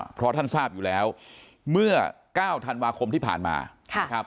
เพราะท่านทราบอยู่แล้วเมื่อ๙ธันวาคมที่ผ่านมานะครับ